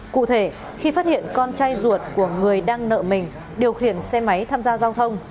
cụ thể khi phát hiện con trai ruột của người đang nợ mình điều khiển xe máy tham gia giao thông